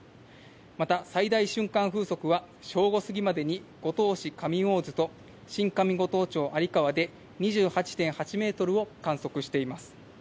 また最大瞬間風速は、正午過ぎまでに五島市上大津と新上五島町有川で２８．８メートルを観測しています。